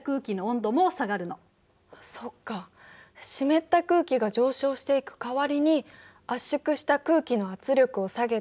そっか湿った空気が上昇していく代わりに圧縮した空気の圧力を下げて温度を下げる状態をつくりだしたんだ。